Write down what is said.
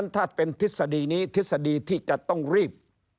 ถ้าเป็นทฤษฎีนี้ทฤษฎีที่จะต้องรีบ